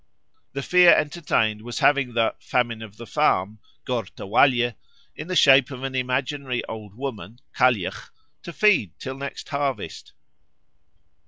The fear entertained was that of having the 'famine of the farm' (gort a bhaile), in the shape of an imaginary old woman (cailleach), to feed till next harvest.